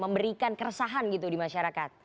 memberikan keresahan gitu di masyarakat